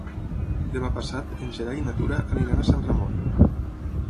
Demà passat en Gerai i na Tura aniran a Sant Ramon.